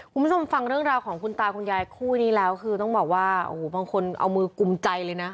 คุณผู้ชมฟังเรื่องราวของคุณตาคุณยายคู่นี้แล้วคือต้องบอกว่าโอ้โหบางคนเอามือกุมใจเลยนะ